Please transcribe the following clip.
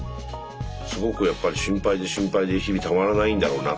すごくやっぱり心配で心配で日々たまらないんだろうな。